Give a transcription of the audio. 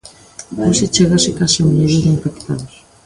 Hoxe chégase case o milleiro de infectados.